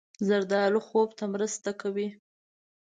زردالو خوب ته مرسته کوي.